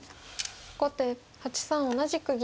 後手８三同じく銀。